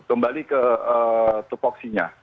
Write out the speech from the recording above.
kembali ke topoksinya